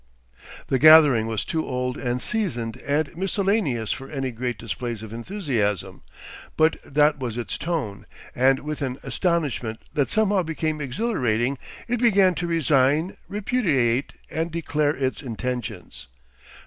The gathering was too old and seasoned and miscellaneous for any great displays of enthusiasm, but that was its tone, and with an astonishment that somehow became exhilarating it began to resign, repudiate, and declare its intentions.